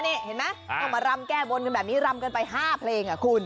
เห็นมั้ยเขามารำแก้บนแบบนี้รำเกินไป๕เพลงอ่ะคุณ